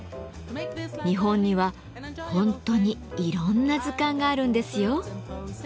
日本には本当にいろんな図鑑があるんですよ。